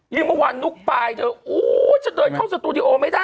นี่เมื่อวานนุ๊กปลายเธอโอ้ฉันเดินเข้าสตูดิโอไม่ได้